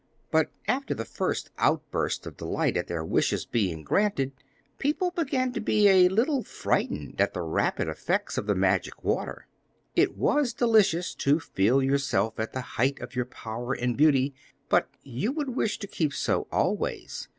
But after the first outburst of delight at their wishes being granted, people began to be a little frightened at the rapid effects of the magic water. It was delicious to feel yourself at the height of your power and beauty, but you would wish to keep so always!